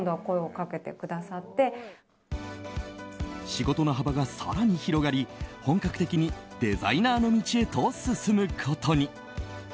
仕事の幅が更に広がり本格的にデザイナーの道へと進むことに。